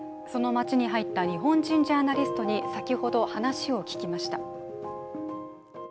その街に入った日本人ジャーナリストに先ほど話を聞きました。